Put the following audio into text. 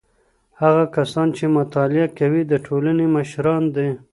هغه کسان چي مطالعه کوي د ټولني مشران دي.